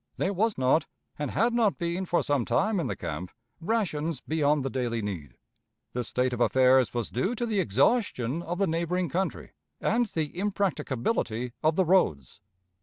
There was not, and had not been for some time in the camp, rations beyond the daily need. This state of affairs was due to the exhaustion of the neighboring country, and the impracticability of the roads.